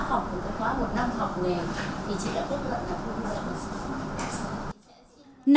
trên một khóa học một năm học nghề thì chị đã vất vận là thu nghề